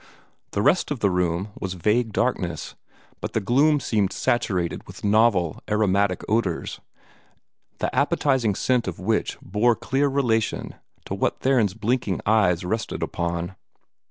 The rest of the room was vague darkness; but the gloom seemed saturated with novel aromatic odors, the appetizing scent of which bore clear relation to what Theron's blinking eyes rested upon.